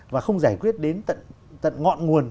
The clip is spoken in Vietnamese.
và không giải quyết đến tận ngọn nguồn